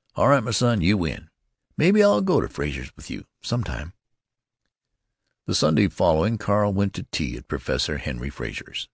" "All right, my son; you win. Maybe I'll go to Frazer's with you. Sometime." The Sunday following Carl went to tea at Professor Henry Frazer's.